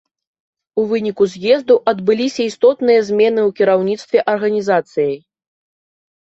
У выніку з'езду адбыліся істотныя змены ў кіраўніцтве арганізацыяй.